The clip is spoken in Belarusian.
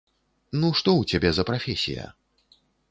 Ну што ў цябе за прафесія?